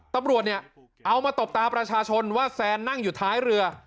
ตำรวจเนี่ยเอามาตบตาประชาชนว่าแซนนั่งอยู่ท้ายเรือ